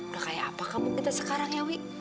udah kayak apa kamu kita sekarang ya wi